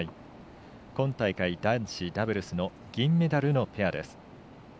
今大会男子ダブルスの銀メダルのペアです。